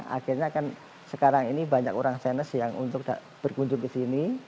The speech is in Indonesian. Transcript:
akhirnya kan sekarang ini banyak orang sainus yang untuk berkunjung ke sini